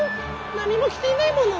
なにもきていないもの」。